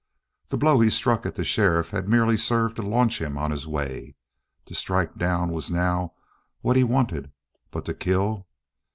The blow he struck at the sheriff had merely served to launch him on his way. To strike down was not now what he wanted, but to kill!